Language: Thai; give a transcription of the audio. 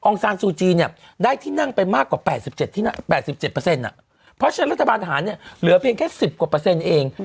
ซางซูจีเนี่ยได้ที่นั่งไปมากกว่า๘๗เพราะฉะนั้นรัฐบาลทหารเนี่ยเหลือเพียงแค่๑๐กว่าเปอร์เซ็นต์เอง